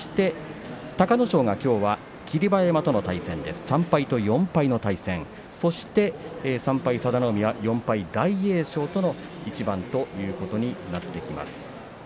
隆の勝は、きょうは霧馬山３敗と４敗の対戦３敗、佐田の海は４敗、大栄翔との一番ということになってきます。